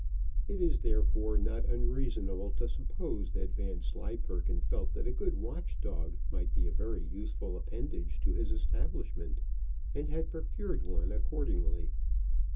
It is therefore not unreasonable to suppose that Vanslyperken felt that a good watch dog might be a very useful appendage to his establishment, and had procured one accordingly.